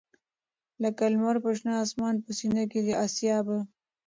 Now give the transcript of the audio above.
لکه لــــمــر پر شــــنه آســــمـــان په ســــینـه کـــي د آســــــــــیا به